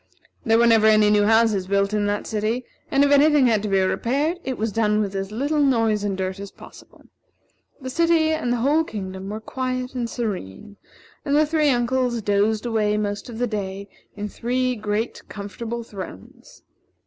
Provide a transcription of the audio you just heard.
There were never any new houses built in that city, and if any thing had to be repaired, it was done with as little noise and dirt as possible. The city and the whole kingdom were quiet and serene, and the three uncles dozed away most of the day in three great comfortable thrones.